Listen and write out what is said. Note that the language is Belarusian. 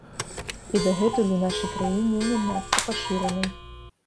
І дагэтуль у нашай краіне не надта пашыранай.